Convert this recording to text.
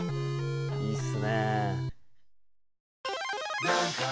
いいっすね。